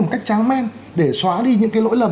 một cách tráng men để xóa đi những cái lỗi lầm